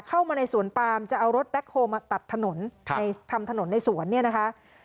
เข้ามาในสวนปามจะเอารถแบ็คโฮลมาตัดถนนในทำถนนในสวนเนี่ยนะคะ